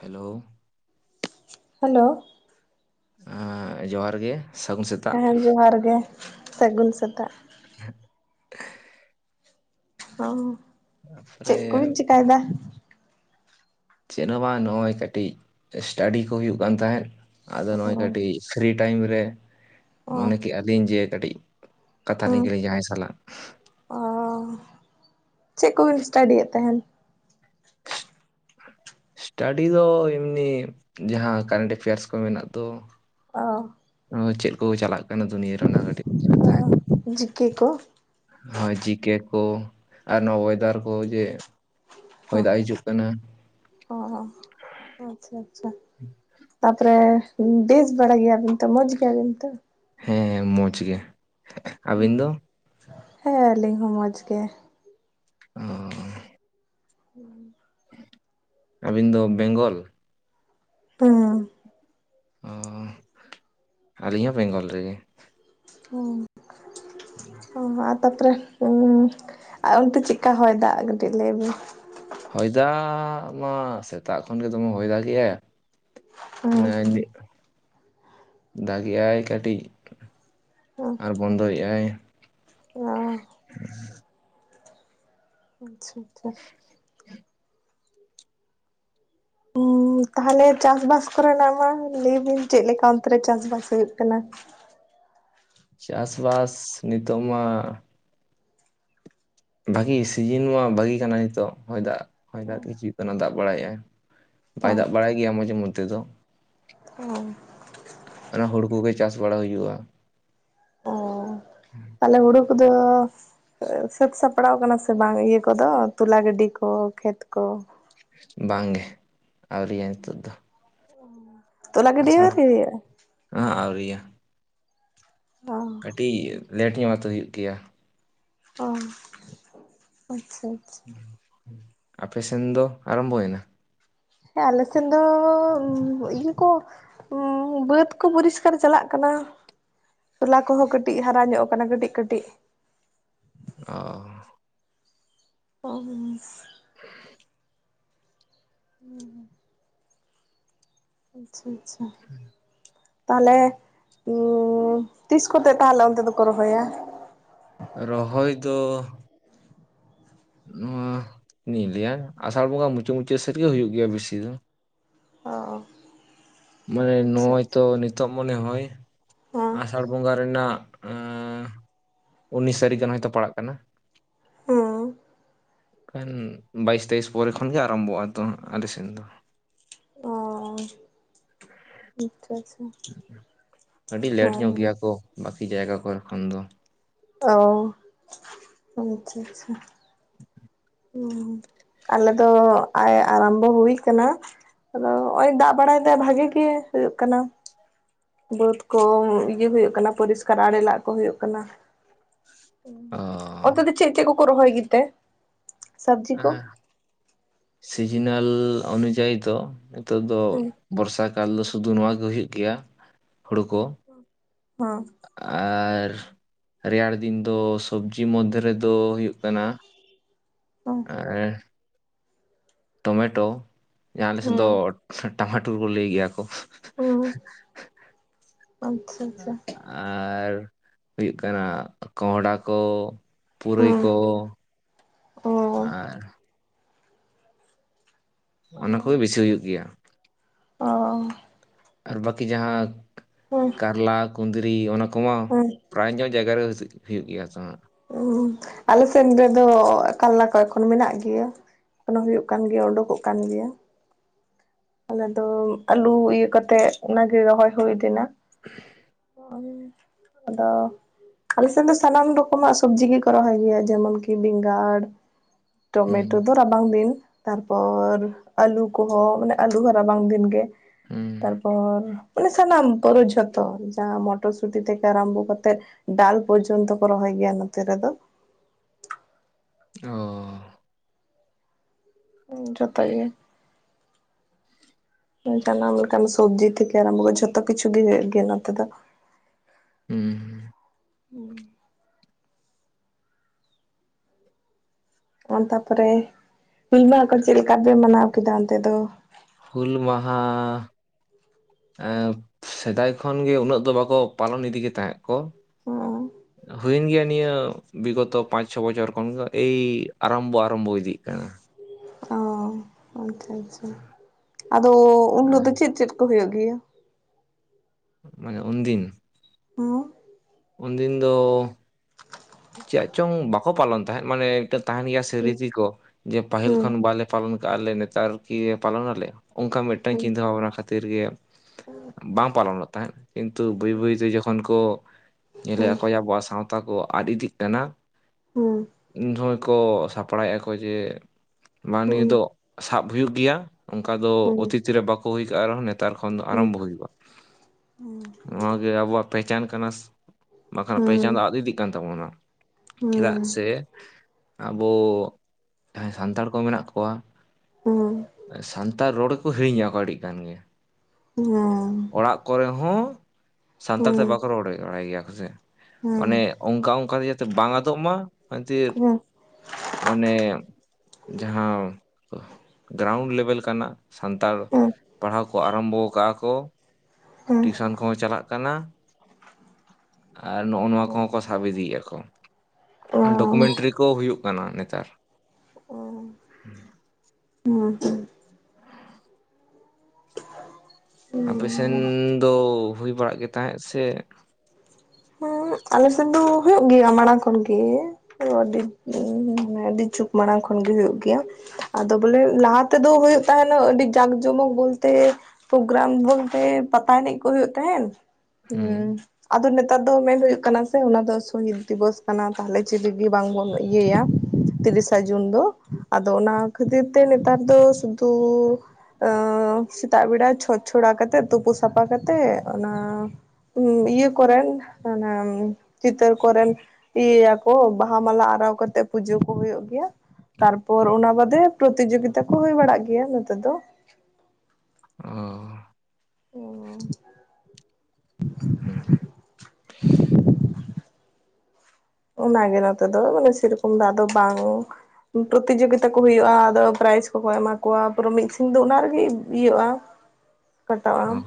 Hello, hello, ᱡᱚᱦᱟᱨ ᱜᱮ ᱥᱟᱹᱜᱩᱱ ᱥᱮᱫ ᱦᱮᱸ ᱡᱚᱦᱟᱨ ᱜᱮ ᱥᱟᱹᱜᱩᱱ ᱥᱮᱛᱟᱜ᱾ [inaudible] ᱚ ᱛᱟᱯᱚᱨᱮ ᱪᱮᱫ ᱠᱚᱵᱤᱱ ᱪᱮᱠᱟᱭᱫᱟ? ᱪᱮᱫ ᱦᱚᱸ ᱵᱟᱝ ᱱᱚᱜᱼᱭ ᱠᱟᱹᱴᱤᱡ ᱮᱴᱟᱰᱤ ᱠᱚ ᱦᱩᱭᱩᱜ ᱠᱟᱱ ᱛᱟᱦᱮᱸᱫ ᱟᱫᱚ ᱚ ᱱᱚᱜᱚᱭ ᱠᱟᱹᱴᱤᱡ᱾ ᱯᱷᱨᱤ ᱴᱟᱭᱤᱢ ᱨᱮ ᱚ ᱢᱚᱱᱮ ᱠᱮᱜᱼᱟ ᱞᱤᱧ ᱡᱮ ᱠᱟᱹᱴᱤᱡᱼᱼ ᱠᱟᱛᱷᱟ ᱱᱤᱠ ᱞᱮ ᱡᱟᱦᱟᱸᱭ ᱥᱟᱞᱟᱜ᱾ ᱚ ᱪᱮᱫ ᱠᱚᱵᱤᱱ ᱥᱴᱟᱰᱤᱭᱮᱫ ᱛᱟᱦᱮᱱ? ᱥᱴᱟᱰᱤ ᱫᱚ ᱮᱢᱱᱤ ᱡᱟᱦᱟᱸ ᱠᱟᱨᱮᱱᱴ ᱮᱯᱷᱮᱭᱟᱨᱥ ᱠᱚ ᱢᱮᱱᱟᱜ ᱫᱚ᱾ ᱚᱻ ᱪᱮᱫ ᱠᱚ ᱪᱟᱞᱟᱜ ᱠᱟᱱᱟ ᱫᱩᱱᱭᱟᱹᱨ ᱨᱮ ᱚᱱᱟ ᱠᱟᱹᱴᱤᱡ ᱧᱮᱞᱮ ᱛᱟᱦᱮᱸᱱ᱾ ᱡᱤᱠᱮ ᱠᱚ ᱦᱚᱭ ᱡᱤᱠᱮ ᱠᱚ ᱟᱨ ᱱᱚᱣᱟ ᱚᱭᱮᱫᱟᱨ ᱠᱚ ᱡᱮ ᱦᱚᱭ ᱚ ᱫᱟᱜ ᱦᱤᱡᱩᱜ ᱠᱟᱱᱟ᱾ ᱚ ᱟᱪᱪᱷᱟ ᱟᱪᱪᱷᱟ ᱛᱟᱯᱚᱨᱮ ᱵᱮᱥ ᱵᱟᱲᱟ ᱜᱮᱭᱟᱢ᱾ ᱮ ᱢᱚᱡᱽ ᱜᱮᱭᱟ ᱵᱤᱱ ᱛᱚ, ᱦᱮᱸ ᱦᱮᱸ ᱢᱚᱡᱽ ᱜᱮ᱾ ᱟᱹᱵᱤᱱ ᱫᱚ ᱦᱩᱸ ᱟᱹᱞᱤᱧ ᱦᱚᱸ ᱢᱚᱡᱽ ᱜᱮ᱾ ᱚᱻ [unintelligible] ᱟᱹᱵᱤᱱ ᱫᱚ ᱵᱮᱝᱜᱚᱞ? ᱦᱩᱸᱻ ᱚ ᱟᱹᱞᱤᱧ ᱦᱚᱸ ᱵᱮᱝᱜᱚᱞ ᱨᱮᱜᱮ᱾ ᱦ [inaudible] ᱚ ᱛᱟᱯᱚᱨᱮ ᱚᱱᱛᱮ ᱪᱮᱫᱠᱟ ᱦᱚᱭ ᱫᱟᱜ ᱠᱟᱹᱴᱤᱡ ᱞᱟᱹᱭ ᱵᱤᱱ ᱦᱚᱭ ᱫᱟᱜ ᱢᱟ ᱥᱮᱛᱟᱜ ᱠᱷᱚᱱ ᱜᱮ ᱫᱚᱢᱮ ᱦᱚᱭ ᱫᱟᱜ ᱠᱮᱜᱼᱟᱭ᱾ ᱦᱮᱸ [unintelligible] ᱫᱟᱜᱮ-ᱟᱭ ᱠᱟᱹᱴᱤᱡ ᱚ ᱟᱨ ᱵᱚᱱᱫᱚᱭᱮᱜᱼᱟᱭ᱾ ᱟᱪᱪᱷᱟ ᱟᱪᱪᱷᱟ᱾ [inaudible] [unintelligible] ᱛᱟᱦᱚᱞᱮ ᱪᱟᱥᱵᱟᱥ ᱠᱚᱨᱮᱱᱟᱜ ᱢᱟ ᱞᱟᱹᱭᱵᱤᱱ ᱪᱮᱫᱞᱮᱠᱟ ᱚᱱᱛᱮ ᱨᱮ ᱪᱟᱥᱵᱟᱥ ᱦᱩᱭᱩᱜ ᱠᱟᱱᱟ? ᱪᱟᱥᱵᱟᱥ ᱱᱤᱛᱚᱜ ᱢᱟᱼᱼ ᱵᱷᱟᱜᱤ ᱥᱤᱡᱤᱱ ᱢᱟ ᱵᱷᱟᱜᱤ ᱠᱟᱱᱟ ᱱᱤᱛᱚᱜ ᱦᱚᱭ ᱫᱟᱜ ᱦᱚᱭ ᱫᱟᱜ ᱜᱮ ᱪᱤ ᱚᱱᱟ ᱫᱟᱜ ᱵᱟᱲᱟᱭᱮᱫᱟᱭ᱾ ᱚ ᱵᱟᱭ ᱫᱟᱜ ᱵᱟᱲᱟᱭ ᱜᱮᱭᱟ ᱢᱟᱡᱷᱮ ᱢᱚᱫᱽᱫᱷᱮ ᱫᱚ ᱾ ᱚ ᱚᱱᱟ ᱦᱩᱲᱩ ᱠᱚᱜᱮ ᱪᱟᱥ ᱵᱟᱲᱟ ᱦᱩᱭᱩᱜᱼᱟ᱾ ᱚ ᱦᱮᱸ [inaudible] ᱛᱟᱦᱚᱞᱮ ᱦᱩᱲᱩ ᱠᱚ ᱫᱚᱼᱼ ᱥᱟᱹᱛ ᱥᱟᱯᱲᱟᱣ ᱟᱠᱟᱱᱟ ᱥᱮ ᱵᱟᱝ ᱤᱭᱟᱹ ᱠᱚᱫᱚ ᱛᱚᱞᱟ ᱜᱟᱹᱰᱤ ᱠᱚ ᱠᱷᱮᱛ ᱠᱚ᱾ ᱵᱟᱝᱜᱮ ᱟᱣᱨᱤᱭᱟ ᱦᱮᱛᱳᱜ ᱫᱚ᱾ ᱛᱚᱞᱟ ᱜᱟᱰᱤ ᱦᱚᱸ ᱟᱣᱨᱤ ᱦᱳᱭᱳᱜ- ᱟ? ᱚᱦᱚᱜ ᱟᱣᱨᱤᱭᱟ᱾ ᱚ ᱠᱟᱹᱤᱡ ᱞᱮᱴ ᱧᱚᱜ ᱟᱛᱮ ᱦᱩᱭᱩᱜ ᱜᱮᱭᱟ᱾ ᱚ ᱟᱪᱪᱷᱟ ᱟᱪᱪᱷᱟ᱾ ᱟᱯᱮ ᱥᱮᱱ ᱫᱚ ᱟᱨᱟᱢᱵᱚᱭᱮᱱᱟ? ᱦᱮᱸ ᱟᱞᱮ ᱥᱮᱱ ᱫᱚ ᱤᱭᱟᱹ ᱠᱚᱼᱼ ᱦᱩᱸ ᱵᱟᱹᱫᱽ ᱠᱚ ᱯᱚᱨᱤᱥᱠᱟᱨ ᱪᱟᱞᱟᱜ ᱠᱟᱱᱟ᱾ ᱛᱚᱞᱟ ᱠᱚᱦᱚᱸ ᱠᱟᱹᱴᱤᱡ ᱦᱟᱨᱟ ᱧᱚᱜ ᱟᱠᱟᱱᱟ ᱠᱟ. ᱴᱤᱡ ᱠᱟᱹᱴᱤᱡ᱾ ᱚᱻ ᱚ ᱟᱪᱪᱷᱟ ᱟᱪᱪᱷᱟ ᱛᱟᱦᱚᱞᱮ, ᱩ ᱛᱤᱥ ᱠᱚᱛᱮ ᱛᱟᱦᱚᱞᱮ ᱚᱱᱛᱮ ᱫᱚᱠᱚ ᱨᱚᱦᱚᱭᱟ? ᱨᱚᱦᱚᱭ ᱫᱚ ᱱᱚᱣᱟ ᱤᱧᱹ ᱞᱟᱹᱭᱟ ᱟᱥᱟᱲ ᱵᱚᱸᱜᱟ ᱢᱩᱪᱟᱹᱫ ᱢᱩᱪᱟᱹᱫ ᱥᱮᱫ ᱜᱮ ᱦᱩᱭᱩᱜ ᱜᱮᱭᱟ ᱵᱮᱥᱤ ᱫᱚ ᱚ ᱢᱟᱱᱮ ᱟᱪᱪᱷᱟ ᱟᱪᱪᱷᱟ ᱱᱚᱜᱼᱚᱭ ᱛᱚ ᱱᱤᱛᱚᱜ ᱢᱚᱱᱮ ᱦᱳᱭ ᱦᱮᱸ [unintelligible] ᱟᱥᱟᱲ ᱵᱚᱸᱜᱟ ᱨᱮᱱᱟᱜ ᱮᱸ ᱩᱱᱤᱥ ᱛᱟᱹᱨᱤᱠᱷ ᱜᱟᱱ ᱦᱚᱭᱛᱳ ᱯᱟᱲᱟᱜ ᱠᱟᱱᱟ ᱦᱚᱸ ᱠᱷᱟᱱ ᱵᱟᱭᱤᱥ ᱛᱮᱭᱤᱥ ᱯᱚᱨᱮ ᱠᱷᱚᱱᱜᱮ ᱟᱨᱟᱢᱵᱷᱚᱜᱼᱟ ᱛᱚ ᱟᱞᱮ ᱥᱮᱫ ᱫᱚ ᱚ [unintelligible] ᱟᱹᱰᱤ ᱞᱮᱴ ᱧᱚᱜ ᱦᱮᱸ ᱜᱮᱭᱟ ᱠᱚ ᱵᱟᱠᱤ ᱡᱟᱭᱜᱟ ᱠᱚᱨᱮ ᱠᱷᱚᱱ ᱫᱚ ᱚ ᱟᱪᱪᱷᱟ ᱟᱪᱪᱷᱟ [unintelligible] ᱟᱞᱮ ᱫᱚ ᱟᱭ ᱟᱨᱟᱢᱵᱚ ᱦᱩᱭ ᱠᱟᱱᱟ ᱟᱫᱚ ᱦᱚᱜ-ᱚᱭ ᱫᱟᱜ ᱵᱟᱲᱟᱭ ᱫᱟᱭ ᱵᱷᱟᱜᱮ ᱜᱮ ᱦᱩᱭᱩᱜ ᱠᱟᱱᱟ ᱵᱟᱹᱫᱽ ᱠᱚ ᱤᱭᱟᱹ ᱦᱩᱭᱩᱜ ᱠᱟᱱᱟ ᱯᱚᱨᱤᱥᱠᱟᱨ ᱟᱲᱮ ᱞᱟᱜ ᱠᱚ ᱦᱩᱭᱩᱜ ᱠᱟᱱᱟ ᱟ ᱚᱛᱮ ᱫᱚ ᱪᱮᱫ ᱪᱮᱫ ᱠᱚᱠᱚ ᱨᱚᱦᱚᱭ ᱜᱮ ᱛᱮ? ᱦᱮ ᱥᱤᱡᱤᱱᱟᱞ ᱚᱱᱩᱡᱟᱭᱤ ᱫᱚ ᱱᱤᱛᱚᱜ ᱫᱚ ᱦᱮᱸ ᱵᱚᱨᱥᱟ ᱠᱟᱞ ᱫᱚ ᱥᱩᱫᱩ ᱱᱚᱣᱟ ᱜᱮ ᱦᱩᱭᱩᱜ ᱜᱮᱭᱟ, ᱦᱩᱲᱳ ᱠᱚ ᱦᱮᱸ ᱟᱨ ᱨᱮᱭᱟᱲ ᱫᱤᱱ ᱫᱚ ᱥᱚᱵᱡᱤ ᱢᱚᱫᱽᱫᱷᱮ ᱨᱮᱫᱚ ᱦᱩᱭᱩᱜ ᱠᱟᱱᱟ ᱦᱮᱸ [unintelligible] ᱴᱚᱢᱮᱴᱳ ᱡᱟᱦᱟᱸ ᱟᱞᱮ ᱥᱮᱫ ᱫᱚ ᱦᱮᱸ ᱴᱟᱢᱟᱴᱩᱨ ᱠᱚ ᱞᱟᱹᱭ ᱜᱮᱭᱟ ᱠᱚ ᱦᱮᱸ ᱟᱪᱪᱷᱟ ᱟᱪᱪᱷᱟ ᱟᱨ ᱦᱩᱭᱩᱜ ᱠᱟᱱᱟ ᱠᱚᱸᱦᱰᱟ ᱠᱚ ᱦᱮᱸ ᱯᱩᱨᱟᱹᱭ ᱠᱚ ᱚ ᱟᱨ ᱚᱱᱟ ᱠᱚᱜᱮ ᱵᱮᱥᱤ ᱦᱩᱭᱩᱜ ᱜᱮᱭᱟ ᱚ ᱟᱨ ᱵᱟᱠᱤ ᱡᱟᱦᱟᱸ ᱦᱮᱸ ᱠᱟᱨᱞᱟ ᱠᱩᱸᱫᱽᱨᱤ ᱚᱱᱟ ᱠᱚᱢᱟ ᱦᱮᱸ ᱯᱨᱟᱭ ᱧᱚᱜ ᱡᱟᱭᱜᱟ ᱨᱮ [unintelligible] ᱦᱩᱭᱩᱜ ᱜᱮᱭᱟ ᱛᱚ ᱦᱟᱸᱜ ᱩᱸ ᱟᱞᱮ ᱥᱮᱱ ᱨᱮᱫᱚ ᱠᱟᱞᱞᱟ ᱠᱚ ᱮᱠᱷᱚᱱ ᱢᱮᱱᱟᱜ ᱜᱮᱭᱟ ᱮᱠᱷᱚᱱᱚ ᱦᱩᱭᱩᱜ ᱠᱟᱱ ᱜᱮᱭᱟ ᱩᱰᱩᱠᱚᱜ ᱠᱟᱱ ᱜᱮᱭᱟ ᱟᱞᱮ ᱫᱚ ᱟᱞᱩ ᱤᱭᱟᱹ ᱠᱟᱛᱮᱜ ᱚᱱᱟᱜᱤ ᱨᱚᱦᱚᱭ ᱦᱩᱭ ᱞᱮᱱᱟ [unintelligible] ᱟᱫᱚ ᱟᱞᱮᱥᱮᱫ ᱫᱚ ᱥᱟᱱᱟᱢ ᱨᱚᱠᱚᱢᱟᱜ ᱥᱚᱵᱡᱤ ᱜᱮᱠᱚ ᱨᱚᱦᱚᱭ ᱜᱮᱭᱟ ᱡᱮᱢᱚᱱᱠᱤ ᱵᱮᱸᱜᱟᱲ ᱦᱩᱸ ᱴᱚᱢᱮᱴᱳ ᱫᱚ ᱨᱟᱵᱟᱝ ᱫᱤᱱ ᱛᱟᱨᱯᱚᱨ ᱟᱹᱞᱩ ᱠᱚᱦᱚᱸ ᱢᱟᱱᱮ ᱟᱹᱞᱩ ᱦᱚ ᱨᱟᱵᱟᱝ ᱫᱤᱱ ᱜᱮ ᱦᱩᱸ ᱛᱟᱨᱯᱚᱨ ᱢᱟᱱᱮ ᱥᱟᱱᱟᱢ ᱯᱚᱨᱳ ᱡᱷᱚᱛᱚ ᱡᱟᱦᱟᱸ ᱢᱚᱴᱚᱨ ᱥᱩᱴᱤ ᱛᱷᱮᱠᱮ ᱟᱨᱟᱢᱵᱷᱚ ᱠᱟᱛᱮᱫ ᱰᱟᱞ ᱯᱚᱨᱡᱚᱱᱛᱚ ᱠᱚ ᱨᱚᱦᱚᱭ ᱜᱮᱭᱟ ᱱᱚᱛᱮ ᱨᱮᱫᱚ ᱚ ᱡᱷᱚᱛᱚ ᱜᱮ ᱡᱟᱱᱟᱢ ᱞᱮᱠᱟᱱ ᱥᱚᱵᱽᱡᱤ ᱛᱷᱮᱠᱮ ᱟᱨᱟᱢᱵᱚ [unintelligible] ᱡᱷᱚᱛ ᱠᱷᱤᱪᱤ ᱜᱮᱭᱟ ᱱᱚᱛᱮ ᱫᱚ ᱦᱮᱸ ᱦᱮᱸ ᱛᱟᱨᱯᱚᱨᱮ ᱦᱩᱞ ᱢᱟᱦᱟ ᱠᱚ ᱪᱮᱫ ᱞᱮᱠᱟ ᱯᱮ ᱢᱟᱱᱟᱣ ᱠᱮᱫᱟ ᱚᱱᱛᱮ ᱫᱚ᱾ ᱦᱩᱞ ᱢᱟᱦᱟ ᱮᱸ ᱥᱮᱫᱟᱭ ᱠᱷᱚᱱ ᱜᱮ ᱩᱱᱟᱹᱜ ᱫᱚ ᱵᱟᱠᱚ ᱯᱟᱞᱚᱱ ᱤᱫᱤ ᱜᱮ ᱛᱟᱦᱮᱸᱫ ᱠᱚ, ᱚ ᱦᱩᱭᱮᱱ ᱜᱮᱭᱟ ᱱᱤᱭᱟᱹ ᱵᱤᱜᱚᱛᱚ ᱯᱟᱸᱪ ᱪᱷᱚ ᱵᱚᱪᱷᱚᱨ ᱠᱷᱚᱱᱜ ᱮᱭ ᱟᱨᱟᱢᱵᱚ ᱟᱨᱟᱢᱵᱚ ᱤᱫᱤᱜ ᱠᱟᱱᱟ᱾ ᱚ, ᱟᱪᱪᱷᱟ ᱟᱪᱪᱷᱟ, ᱟᱫᱚ ᱩᱱ ᱦᱤᱞᱳ ᱫᱚ ᱪᱮᱫ ᱪᱮᱫ ᱠᱚ ᱦᱩᱭᱩᱜ ᱜᱮᱭᱟ? ᱢᱟᱱᱮ ᱩᱱᱫᱤᱱ ᱦᱩᱸ ᱩᱱ ᱫᱤᱱ ᱫᱚ ᱪᱮᱫ ᱪᱚᱝ ᱵᱟᱠᱚ ᱯᱟᱞᱚᱱ ᱛᱟᱦᱮᱸᱫ, ᱢᱟᱱᱮ ᱢᱤᱫᱴᱮᱱ ᱛᱟᱦᱮᱱ ᱜᱮᱭᱟ ᱥᱮ ᱨᱤᱛᱤ ᱠᱚ ᱡᱮ ᱯᱟᱹᱦᱤᱞ ᱦᱩᱸ ᱠᱷᱚᱱ ᱵᱟᱞᱮ ᱯᱟᱞᱚᱱ ᱠᱟᱜᱼᱟ ᱞᱮ, ᱱᱮᱛᱟᱨ ᱠᱤ ᱯᱟᱞᱚᱱ ᱟᱞᱮ ᱚᱱᱠᱟ ᱢᱤᱫᱴᱟᱝ ᱦᱩᱸ ᱪᱤᱱᱛᱟᱹ ᱵᱷᱟᱵᱱᱟ ᱠᱷᱟᱹᱛᱤᱨ ᱜᱮ ᱵᱟᱝ ᱯᱟᱞᱚᱱᱚᱜ ᱛᱟᱦᱮᱸᱫ ᱠᱤᱱᱛᱩ ᱵᱟᱹᱭ ᱵᱟᱹᱭ ᱛᱮ ᱡᱚᱠᱷᱚᱱ ᱠᱚ ᱧᱮᱞ ᱮ ᱦᱩᱸ ᱟᱠᱚ ᱟᱵᱚᱣᱟᱜ ᱥᱟᱶᱛᱟ ᱠᱚ ᱟᱫ ᱤᱫᱤᱜ ᱠᱟᱱᱟ ᱦᱩᱸ ᱩᱱ ᱡᱚᱦᱚᱡ ᱠᱚ ᱥᱟᱯᱲᱟᱣᱮᱫᱼᱟ ᱠᱚ ᱡᱮ ᱢᱟ ᱱᱤᱭᱟᱹ ᱦᱩᱸ ᱫᱚ ᱥᱟᱵ ᱦᱩᱭᱩᱜ ᱜᱮᱭᱟ᱾ ᱚᱱᱠᱟ ᱫᱚ ᱦᱩᱸ ᱚᱛᱤᱛ ᱨᱮ ᱵᱟᱠᱚ ᱦᱩᱭᱠᱟᱜ-ᱟ ᱨᱮᱦᱚᱸ ᱱᱮᱛᱟᱨ ᱠᱷᱚᱱ ᱫᱚ ᱦᱩᱸ ᱟᱨᱟᱢᱵᱷᱚ ᱦᱩᱭᱩᱜᱼᱟ᱾ ᱱᱚᱣᱟ ᱜᱮ ᱟᱵᱚᱣᱟᱜ ᱯᱮᱭᱪᱟᱱ ᱠᱟᱱᱟ ᱵᱟᱠᱷᱟᱱ ᱦᱩᱸ ᱦᱩᱸ ᱯᱮᱭᱪᱟᱱ ᱫᱚ ᱟᱫ ᱤᱫᱤ ᱠᱟᱱ ᱛᱟᱵᱚᱱᱟ ᱪᱮᱫᱟᱜ ᱦᱩᱸ ᱥᱮ ᱟᱵᱚ ᱡᱟᱦᱟᱸᱭ ᱥᱟᱱᱛᱟᱲ ᱠᱚ ᱢᱮᱱᱟᱜ ᱠᱚᱣᱟ ᱦᱩᱸ ᱥᱟᱱᱛᱟᱲ ᱨᱚᱲ ᱜᱮᱠᱚ ᱦᱤᱲᱤᱧ ᱟᱠᱚ ᱟᱹᱰᱤ ᱜᱟᱱ ᱜᱮ ᱦᱮᱸ ᱚᱲᱟᱜ ᱠᱚᱨᱮ ᱦᱚᱸ ᱥᱟᱱᱛᱟᱲ ᱛᱮ ᱵᱟᱠᱚ ᱨᱚᱲ ᱵᱟᱲᱟᱭ ᱜᱮᱭᱟ ᱠᱚ ᱥᱮ ᱢᱟᱱᱮ ᱚᱱᱠᱟ ᱚᱱᱠᱟ ᱛᱮ ᱡᱟᱛᱮ ᱵᱟᱝ ᱟᱫᱚᱜ ᱢᱟ ᱢᱮᱱᱛᱮ ᱢᱟᱱᱮ ᱡᱟᱦᱟᱸ ᱜᱨᱟᱣᱩᱱᱰ ᱞᱮᱵᱮᱞ ᱠᱟᱱᱟ ᱥᱟᱱᱛᱟᱲ ᱯᱟᱲᱦᱟᱣ ᱠᱚ ᱟᱨᱟᱢᱵᱷᱚ ᱟᱠᱟᱜ-ᱟ ᱠᱚ ᱦᱮᱸ ᱴᱤᱭᱩᱥᱚᱱ ᱠᱚᱦᱚᱸ ᱪᱟᱞᱟᱜ ᱠᱟᱱᱟ ᱟᱨ ᱱᱚᱜ-ᱚ ᱱᱚᱣᱟ ᱠᱚᱦᱚᱸ ᱠᱚ ᱥᱟᱵ ᱤᱫᱤᱭᱮᱫ ᱟᱠᱚ ᱟᱨ ᱚ ᱦᱩᱸ ᱰᱚᱠᱩᱢᱮᱱᱴᱨᱤ ᱠᱚ ᱦᱩᱭᱩᱜ ᱠᱟᱱᱟ ᱱᱮᱛᱟᱨ ᱚ ᱦᱩᱸ ᱦᱮᱸ ᱟᱯᱮ ᱥᱮᱱ ᱫᱚ ᱦᱩᱭ ᱵᱟᱲᱟᱜ ᱜᱮ ᱛᱟᱦᱮᱸᱫ ᱥᱮ ᱦᱮᱸ ᱟᱞᱮᱥᱮᱫ ᱫᱚ ᱦᱩᱭᱩᱜ ᱜᱮᱭᱟ ᱢᱟᱲᱟᱝ ᱠᱷᱚᱱᱜᱤ ᱟᱹᱰᱤ, ᱟᱹᱰᱤ ᱡᱩᱜᱽ ᱢᱟᱲᱟᱝ ᱠᱷᱚᱱ ᱜᱮ ᱦᱩᱭᱩᱜ ᱜᱮᱭᱟ ᱟᱫᱚ ᱵᱚᱞᱮ ᱞᱟᱦᱟ ᱛᱮᱫᱚ ᱦᱩᱭᱩᱜ ᱛᱟᱦᱮᱱᱟ ᱟᱹᱰᱤ ᱡᱟᱠ ᱡᱚᱢᱚᱠ ᱵᱚᱞᱛᱮ ᱯᱨᱚᱜᱨᱟᱢ ᱵᱚᱞᱛᱮ ᱯᱟᱛᱟ ᱮᱱᱮᱡ ᱠᱚ ᱦᱩᱭᱩᱜ ᱛᱟᱦᱮᱸᱱ, ᱦᱩᱸ ᱦᱩᱸ ᱟᱫᱚ ᱱᱮᱛᱟᱨ ᱫᱚ ᱢᱮᱱ ᱦᱩᱭᱩᱜ ᱠᱟᱱᱟ ᱥᱮ ᱚᱱᱟ ᱫᱚ ᱥᱚᱦᱤᱛ ᱫᱤᱵᱚᱥ ᱠᱟᱱᱟ ᱛᱟᱦᱚᱞᱮ ᱪᱤᱞᱤ ᱜᱮ ᱵᱟᱝ ᱵᱚᱱ ᱤᱭᱟᱹᱭᱟ ᱛᱤᱨᱤᱥᱟ ᱡᱩᱱ ᱫᱚ, ᱟᱫᱚ ᱚᱱᱟ ᱠᱷᱟᱹᱛᱤᱨ ᱛᱮ ᱱᱮᱛᱟᱨ ᱫᱚ ᱥᱩᱫᱷᱩ ᱥᱮᱛᱟᱜ ᱵᱮᱲᱟ ᱪᱷᱚᱸᱪ ᱪᱷᱚᱲᱟ ᱠᱟᱛᱮᱫ ᱛᱩᱯᱩ ᱥᱟᱯᱷᱟ ᱠᱟᱛᱮᱜ ᱚᱱᱟ ᱤᱭᱟᱹ ᱠᱚᱨᱮᱱ ᱚᱱᱟ ᱪᱤᱛᱟᱹᱨ ᱠᱚᱨᱮᱱ ᱤᱭᱟᱹᱭᱟ ᱠᱚ ᱵᱟᱦᱟ ᱢᱟᱞᱟ ᱟᱨᱟᱣ ᱠᱟᱛᱮᱜ ᱯᱩᱡᱟᱹ ᱠᱚ ᱦᱩᱭᱩᱜ ᱜᱮᱭᱟ᱾ ᱛᱟᱨᱯᱚᱨ ᱚᱱᱟ ᱵᱟᱫᱮ ᱯᱨᱚᱛᱤᱡᱳᱜᱤᱛᱟ ᱠᱚ ᱦᱩᱭ ᱵᱟᱲᱟᱜ ᱜᱮᱭᱟ ᱱᱚᱛᱮ ᱫᱚ᱾ ᱚ, ᱦᱩᱸ ᱚᱱᱟ ᱜᱮ ᱱᱚᱛᱮ ᱫᱚ ᱢᱟᱱᱮ ᱥᱮᱨᱚᱠᱚᱢ ᱫᱚ ᱟᱫᱚ ᱵᱟᱝ ᱯᱨᱚᱛᱤᱤᱡᱳᱜᱤᱛᱟ ᱠᱚ ᱦᱩᱭᱩᱜᱼᱟ, ᱟᱫᱚ ᱯᱨᱟᱭᱤᱡᱽ ᱠᱚᱠᱚ ᱮᱢᱟ ᱠᱚᱣᱟ ᱯᱩᱨᱟᱹ ᱢᱤᱫ ᱥᱤᱸᱧ ᱫᱚ ᱚᱱᱟ ᱨᱮᱜᱮ ᱤᱭᱟᱹᱜᱼᱟ᱾ [inaudible] ᱠᱟᱴᱟᱜ-ᱟ ᱚᱸ ᱚ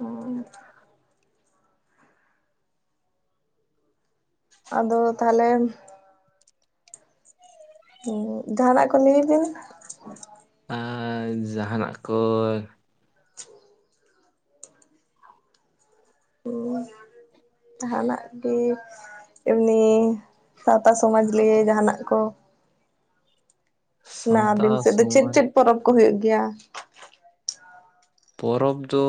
ᱩᱸ ᱟᱫᱚ ᱛᱟᱦᱞᱮᱼᱼ ᱡᱟᱦᱟᱱᱟᱜ ᱠᱚ ᱞᱟᱹᱭ ᱫᱟ, ᱟᱸ ᱡᱟᱦᱟᱸᱱᱟᱜ ᱠᱚᱼᱼ [inaudible] ᱚ ᱡᱟᱦᱟᱸᱱᱟᱜ ᱜᱮᱼᱼ ᱮᱢᱱᱤ ᱥᱟᱸᱣᱛᱟ ᱥᱚᱢᱟᱡᱽ ᱞᱤᱭᱮ ᱡᱟᱦᱟᱸᱱᱟᱜ ᱠᱚᱼᱼ ᱞᱟ ᱟᱹᱵᱤᱱ ᱥᱟᱶᱛᱟ ᱥᱮᱫ ᱫᱚ ᱪᱮᱫ ᱥᱚᱢᱟᱡᱽ ᱪᱮᱫ ᱯᱚᱨᱚᱵᱽ ᱠᱚ ᱦᱤᱭᱩᱜ ᱜᱮᱭᱟ? ᱯᱚᱨᱚᱵᱽ ᱫᱚᱻ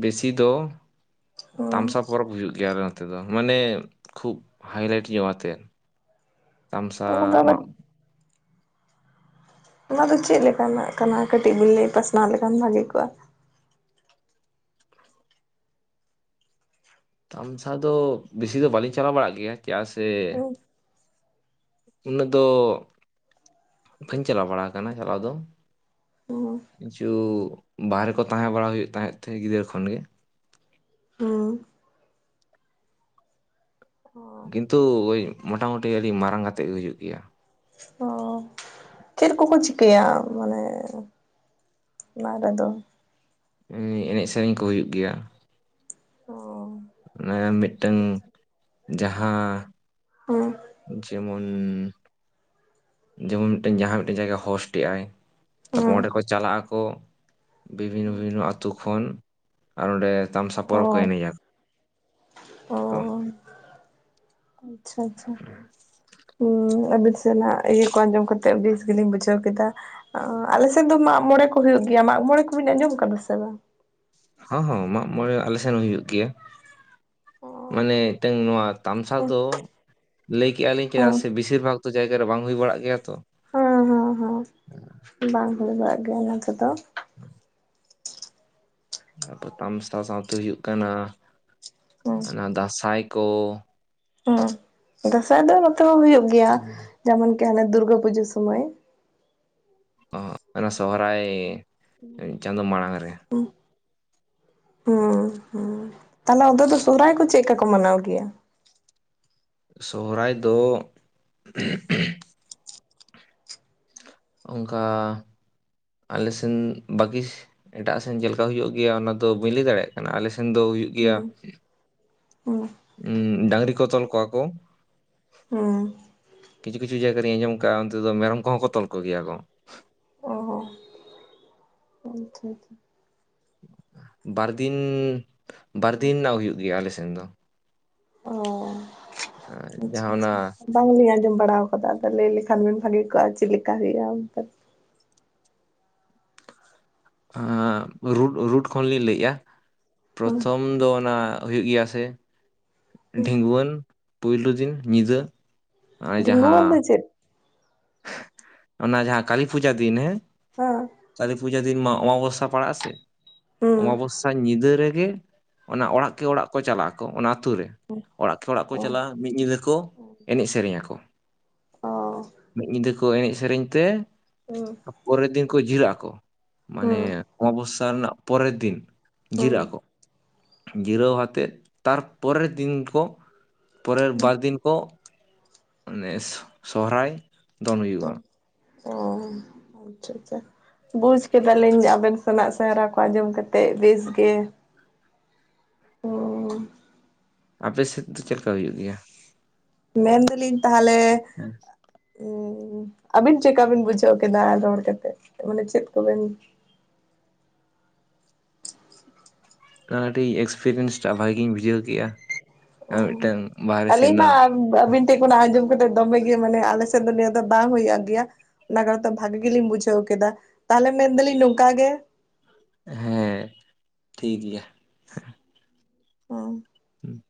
ᱵᱮᱥᱤ ᱫᱚᱼᱼ ᱦᱩᱸ 'ᱛᱟᱢᱥᱟ' ᱯᱚᱨᱚᱵᱽ ᱦᱩᱭᱩᱜ ᱜᱮᱭᱟ ᱟᱞᱮ ᱱᱚᱛᱮ ᱫᱚ ᱢᱟᱱᱮ ᱠᱷᱩᱵ ᱦᱟᱭᱞᱟᱭᱤᱴ ᱧᱚᱜ ᱟᱛᱮᱫ᱾ ᱛᱟᱢᱥᱟ ᱚᱱᱟ ᱫᱚ ᱟᱵᱟᱨ ᱢᱟᱜ ᱚᱱᱟᱫᱚ ᱪᱮᱫ ᱞᱮᱠᱟᱱᱟᱜ ᱠᱟᱱᱟ ᱠᱟᱹᱴᱤᱡ ᱵᱤ ᱞᱟᱹᱭ ᱯᱟᱥᱱᱟᱣ ᱞᱮᱠᱷᱟᱱ ᱵᱷᱟᱹᱞᱤ ᱠᱚᱜ-ᱟ᱾ ᱛᱟᱢᱥᱟ ᱫᱚ ᱵᱮᱥᱤ ᱫᱚ ᱵᱟᱹᱞᱤᱧ ᱪᱟᱞᱟᱜ ᱵᱟᱲᱟᱜ ᱜᱮᱭᱟ ᱪᱮᱫᱟᱜ ᱥᱮᱼᱼ ᱦᱩᱸ ᱩᱱᱟᱹᱜ ᱫᱚᱼᱼ ᱵᱟᱹᱧ ᱪᱟᱞᱟᱣ ᱵᱟᱲᱟ ᱟᱠᱟᱱᱟ ᱪᱟᱞᱟᱣ ᱫᱚ, ᱚᱸ ᱠᱤᱪᱷᱩ ᱵᱟᱦᱨᱮ ᱠᱚ ᱛᱟᱦᱮᱸ ᱵᱟᱲᱟ ᱦᱩᱭᱩᱜ ᱛᱟᱦᱮᱸᱫ ᱛᱮ ᱜᱤᱫᱽᱨᱟᱹ ᱠᱷᱚᱱ ᱜᱮ, ᱦᱩᱸ ᱠᱤᱱᱛᱩ ᱳᱭ ᱢᱚᱴᱟ ᱢᱩᱴᱤ ᱟᱹᱰᱤ ᱢᱟᱨᱟᱝ ᱠᱟᱛᱮᱫ ᱜᱮ ᱦᱩᱭᱩᱜ ᱜᱮᱭᱟ᱾ ᱚ ᱪᱮᱫ ᱠᱚ-ᱠᱚ ᱪᱤᱠᱟᱹᱭᱟ ᱢᱟᱱᱮᱼᱼ ᱚᱱᱟᱨᱮ ᱫᱚ ᱩᱱᱤ ᱮᱱᱮᱡ ᱥᱮᱨᱮᱧ ᱠᱚ ᱦᱩᱭᱩᱜ ᱜᱮᱭᱟ᱾ ᱚᱻ ᱢᱟᱱᱮ ᱢᱤᱫᱴᱟᱹᱝ ᱡᱟᱦᱟᱸᱻ ᱦᱳ ᱡᱮᱢᱚᱱᱼᱼ ᱡᱮᱢᱚᱱ ᱢᱤᱫᱴᱮᱱ ᱡᱟᱦᱟᱸ ᱢᱤᱫᱴᱮᱱ ᱡᱟᱭᱜᱟ ᱦᱚᱥᱴᱮᱜ ᱟᱭ ᱛᱟᱨᱯᱚᱨ ᱦᱩᱸ ᱚᱸᱰᱮ ᱠᱚ ᱪᱟᱞᱟᱜ ᱟᱠᱚᱼᱼ ᱵᱤᱵᱷᱤᱱᱱᱚ ᱵᱤᱵᱷᱤᱱᱱᱚ ᱟᱛᱳ ᱠᱷᱚᱱ ᱟᱨ ᱚᱸᱰᱮ ᱛᱟᱢᱥᱟ ᱚ ᱯᱚᱨᱚᱵᱽ ᱠᱚ ᱮᱱᱮᱡ ᱟ᱾ ᱛᱚ ᱩᱸ ᱟᱪᱪᱷᱟ-ᱟᱪᱪᱷᱟ ᱦᱩᱸ ᱟᱹᱵᱤᱱ ᱥᱮᱱᱟᱜ ᱤᱭᱟᱹ ᱠᱚ ᱟᱸᱡᱚᱢ ᱠᱟᱛᱮᱜ ᱵᱮᱥ ᱜᱮᱞᱤᱧ ᱵᱩᱡᱷᱟᱹᱣ ᱠᱮᱫᱟ᱾ ᱟᱸ ᱟᱞᱮ ᱥᱮᱫ ᱫᱚ ᱢᱟᱜᱽ-ᱢᱚᱬᱮ ᱠᱚ ᱦᱩᱭᱩᱜ ᱜᱮᱭᱟ ᱢᱟᱜᱽ-ᱢᱚᱬᱮ ᱠᱚ ᱵᱤᱱ ᱟᱸᱡᱚᱢ ᱟᱠᱟᱫᱟ ᱥᱮ ᱵᱟᱝ? ᱦᱚᱸ ᱦᱚᱸ ᱢᱟᱜᱽ-ᱢᱚᱬᱮ ᱟᱞᱮ ᱥᱮᱱ ᱦᱚᱸ ᱦᱩᱭᱩᱜ ᱜᱮᱭᱟ ᱢᱟᱱᱮ ᱛᱮᱦᱮᱧ ᱱᱚᱣᱟ ᱟᱛᱼᱼ ᱛᱟᱢᱥᱟ ᱫᱚ ᱞᱟᱹᱭ ᱠᱮᱫᱮᱜ-ᱟ ᱞᱤᱧ ᱦᱮᱸ ᱪᱮᱫᱟᱜ ᱥᱮ ᱵᱤᱥᱤᱨ ᱵᱷᱟᱜᱽ ᱛᱚ ᱡᱟᱭᱜᱟ ᱨᱮ ᱵᱟᱝ ᱦᱩᱭ ᱵᱟᱲᱟᱜ ᱜᱮᱭᱟ ᱛᱚ, ᱦᱮᱸ ᱦᱮᱸ ᱦᱮᱸ ᱵᱟᱝ ᱦᱩᱭ ᱵᱟᱲᱟᱜ ᱜᱮᱭᱟ ᱚᱱᱟ ᱠᱚ ᱫᱚ, [inaudible] ᱚᱱᱟ ᱯᱚᱨ ᱛᱟᱢᱥᱟ ᱥᱟᱸᱣᱛᱮ ᱦᱩᱭᱩᱜ ᱠᱟᱱᱟ ᱦᱮᱸ ᱚᱱᱟ ᱫᱟᱥᱟᱸᱭ ᱠᱚᱼᱼ ᱩᱸ ᱫᱟᱸᱥᱟᱭ ᱫᱚ ᱱᱚᱛᱮ ᱦᱚᱸ ᱦᱩᱭᱩᱜ ᱜᱮᱭᱟ ᱡᱮᱢᱚᱱ ᱠᱤ ᱟᱞᱮ ᱫᱩᱨᱜᱟᱹ ᱯᱩᱡᱟᱹ ᱥᱩᱢᱚᱭᱼᱼ ᱚ ᱚᱱᱟ ᱥᱚᱦᱨᱟᱭ ᱪᱟᱸᱫᱚ ᱢᱟᱲᱟᱝ ᱨᱮ, [inaudible] ᱦᱮᱸ ᱦᱮ ᱛᱟᱦᱞᱮ ᱚᱫᱚ ᱫᱚ ᱥᱚᱦᱨᱟᱭ ᱠᱚ ᱪᱮᱫ ᱠᱟ ᱠᱚ ᱢᱟᱱᱟᱣ ᱜᱮᱭᱟ? ᱥᱚᱦᱨᱟᱭ ᱫᱚᱼᱼ ᱚᱱᱠᱟ ᱟᱞᱮ ᱥᱮᱱ ᱵᱟᱜᱤ ᱮᱴᱟᱜ ᱥᱮᱱ ᱪᱮᱫ ᱞᱮᱠᱟ ᱦᱩᱭᱩᱜ ᱜᱮᱭᱟ ᱚᱱᱟ ᱫᱚ ᱵᱟᱹᱧ ᱞᱟᱹᱭ ᱫᱟᱲᱮᱭᱟᱜ ᱠᱟᱱᱟ, ᱟᱞᱮ ᱥᱮᱱ ᱫᱚ ᱦᱩᱭᱩᱜ ᱠᱟᱱᱟᱼᱼ [unintelligible] ᱦᱮᱸ ᱩᱸ ᱰᱟᱝᱨᱤ ᱠᱚ ᱛᱚᱞ ᱠᱚᱣᱟ ᱠᱚ ᱦᱮᱸ ᱠᱤᱪᱷᱩ ᱠᱤᱪᱷᱩ ᱡᱟᱭᱜᱟ ᱨᱤᱧᱸ ᱟᱸᱡᱚᱢ ᱠᱟᱜ-ᱟ ᱚᱱᱛᱮ ᱫᱚ ᱢᱮᱨᱚᱢ ᱠᱚᱦᱚᱸ ᱠᱚ ᱛᱚᱞ ᱠᱚᱜ ᱜᱮᱭᱟ ᱠᱚ ᱚ ᱟᱪᱪᱷᱟ ᱪᱷᱟ ᱵᱟᱨ ᱫᱤᱱ ᱵᱟᱨ ᱫᱤᱱ ᱨᱮᱱᱟᱜ ᱦᱩᱭᱩᱜ ᱜᱮᱭᱟ ᱟᱞᱮ ᱥᱮᱱ ᱫᱚ᱾ ᱚ ᱟᱪᱪᱷᱟ ᱡᱟᱦᱟᱸ ᱚᱱᱟ ᱟᱪᱪᱷᱟ ᱵᱟᱝᱞᱤᱧ ᱟᱸᱡᱚᱢ ᱵᱟᱲᱟᱣ ᱠᱟᱫᱟ ᱞᱟᱹᱭ ᱞᱮᱠᱷᱟᱱ ᱵᱮᱱ ᱵᱷᱟᱹᱜᱮ ᱠᱚᱜᱼᱟ ᱪᱮᱫ ᱠᱮᱠᱟ ᱦᱩᱭᱩᱜᱼᱟ ᱚᱱᱛᱮ? ᱚ ᱨᱩᱴ ᱨᱩᱴ ᱠᱷᱚᱱᱞᱤᱧ ᱞᱟᱹᱭᱮᱜᱼᱟ ᱦᱩᱸ ᱯᱨᱚᱛᱷᱚᱢ ᱫᱚ ᱚᱱᱟ ᱦᱩᱭᱩᱜ ᱜᱮᱭᱟ ᱥᱮ ᱰᱷᱤᱸᱜᱣᱟᱹᱱ ᱯᱩᱭᱞᱩ ᱫᱤᱱ ᱧᱤᱫᱟᱹ ᱚᱱᱮ ᱰᱷᱤᱸᱜᱣᱟᱹᱱ ᱡᱟᱦᱟᱸ ᱫᱚ ᱪᱮᱫ? ᱚᱱᱟ ᱡᱟᱦᱟᱸ ᱠᱟᱹᱞᱤ ᱯᱩᱡᱟᱹ ᱫᱤᱱ ᱦᱮᱸ ᱦᱟ ᱠᱟᱞᱤ ᱯᱩᱡᱟ ᱫᱤᱱ ᱢᱟ ᱚᱢᱟᱵᱚᱥᱥᱟ ᱯᱟᱲᱟᱜᱼᱟ ᱥᱮ ᱦᱩᱸ ᱚᱢᱟᱵᱚᱥ ᱧᱤᱫᱟᱹ ᱨᱮᱜᱮ ᱚᱱᱟ ᱚᱲᱟᱜ ᱠᱮ ᱚᱲᱟᱜ ᱠᱚ ᱪᱟᱞᱟᱜ ᱟᱠᱚ ᱚᱱᱟ ᱟᱛᱩ ᱨᱮ ᱚᱲᱟᱜ ᱠᱮ ᱚᱲᱟᱜ ᱠᱚ ᱚ ᱪᱟᱞᱟᱜᱼᱟ ᱢᱤᱫ ᱧᱤᱫᱟᱹ ᱠᱚ ᱮᱱᱮᱡ ᱥᱮᱨᱮᱧ ᱟᱠᱚ ᱚ ᱢᱤᱫ ᱧᱤᱫᱟᱹ ᱠᱚ ᱮᱱᱮᱡ ᱥᱮᱨᱮᱧ ᱛᱮ ᱦᱩᱸ ᱯᱚᱨᱮ ᱫᱤᱱ ᱠᱚ ᱡᱤᱨᱟᱹᱜ ᱟᱠᱚ ᱦᱩᱸ ᱢᱟᱱᱮ ᱚᱢᱟᱵᱚᱥ ᱨᱮᱱᱟᱜ ᱯᱚᱨᱮ ᱫᱤᱱ ᱦᱩᱸ ᱡᱤᱨᱟᱹᱜ ᱟᱠᱚ ᱡᱤᱨᱟᱹᱣ ᱟᱛᱮᱫ ᱛᱟᱨᱯᱚᱨᱮᱨ ᱫᱤᱱ ᱠᱚ ᱯᱚᱨᱮᱨ ᱵᱟᱨ ᱫᱤᱱ ᱠᱚ ᱢᱮᱱᱮ ᱥᱚᱦᱨᱟᱭ ᱫᱚᱱ ᱦᱩᱭᱩᱜᱼᱟ ᱚ ᱪᱷᱟ ᱪᱷᱟ ᱵᱩᱡᱽ ᱠᱮᱫᱟᱞᱤᱧ ᱟᱵᱮᱱ ᱥᱮᱱᱟᱜ ᱥᱮᱦᱮᱨᱟ ᱠᱚ ᱟᱸᱡᱚᱢ ᱠᱟᱛᱮ ᱵᱮᱥ ᱜᱮ ᱟᱯᱮ ᱥᱮᱫ ᱫᱚ ᱪᱮᱫ ᱞᱮᱠᱟ ᱦᱩᱭᱩᱜ ᱜᱮᱭᱟ? ᱢᱮᱱᱫᱟᱞᱤᱧ ᱛᱟᱦᱚᱞᱮ ᱦᱮᱸ ᱩᱸ ᱟᱹᱵᱤᱱ ᱪᱮᱫ ᱠᱟ ᱵᱤᱱ ᱵᱩᱡᱷᱟᱹᱣ ᱠᱮᱫᱟ ᱨᱚᱲ ᱠᱟᱛᱮ? ᱢᱟᱱᱮ ᱪᱮᱫ ᱠᱚᱵᱮᱱ ᱠᱟᱦᱟ ᱴᱤ ᱮᱠᱥᱯᱮᱨᱮᱭᱮᱱ ᱴᱟᱜ ᱵᱷᱟᱜᱤ ᱜᱤᱧ ᱵᱩᱡᱷᱟᱹᱣ ᱠᱮᱜᱼᱟ ᱟᱨ ᱢᱤᱫᱴᱟᱝ ᱵᱟᱦᱨᱮ ᱥᱮᱜ ᱱᱟᱜ ᱵᱟᱹᱵᱤᱱ ᱛᱤ ᱠᱚᱱᱟᱜ ᱟᱸᱡᱚᱢ ᱠᱟᱛᱮᱫ ᱫᱚᱢᱮ ᱜᱮ ᱢᱟᱱᱮ ᱟᱞᱮᱥᱮᱫ ᱫᱚ ᱱᱤᱭᱟᱹ ᱫᱚ ᱵᱟᱝ ᱦᱩᱭᱩᱜ ᱜᱮᱭᱟ ᱞᱟᱜᱟᱨ ᱛᱮ ᱵᱷᱟᱜᱮ ᱜᱮᱞᱤᱧ ᱵᱩᱡᱷᱟᱹᱣ ᱠᱮᱫᱟ ᱛᱟᱦᱚᱞᱮ ᱢᱮᱱ ᱫᱚᱞᱤᱧ ᱱᱚᱝᱠᱟ ᱜᱮ ᱦᱮᱸ ᱴᱷᱤᱠ ᱜᱮᱭᱟ ᱦᱳ ᱦᱩᱸ